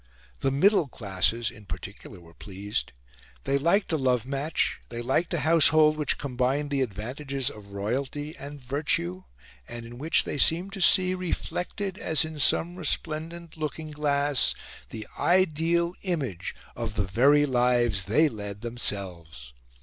The middle classes, in particular, were pleased. They liked a love match; they liked a household which combined the advantages of royalty and virtue, and in which they seemed to see, reflected as in some resplendent looking glass, the ideal image of the very lives they led themselves.